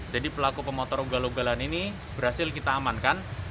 jadi pelaku pemotor ugal ugalan ini berhasil kita amankan